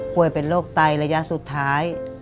ป่วยเป็นโรคไตรยะสุดท้าย